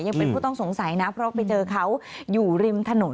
ยังเป็นผู้ต้องสงสัยนะเพราะไปเจอเขาอยู่ริมถนน